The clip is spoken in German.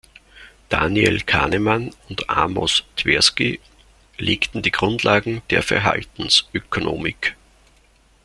Daniel Kahneman und Amos Tversky legten die Grundlagen der Verhaltensökonomik.